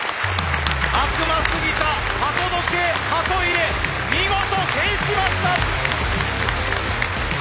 悪魔すぎた鳩時計ハト入れ見事制しました！